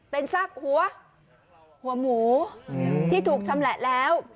เป็นซากหัวหมูที่ถูกชำแหละแล้ว